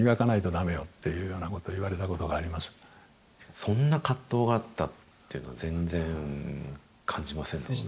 そんな葛藤があったっていうのは全然感じませんでした。